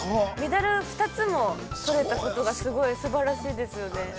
メダル２つも取れたことがすごい、すばらしいですよね。